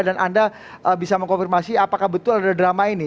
dan anda bisa mengkonfirmasi apakah betul ada drama ini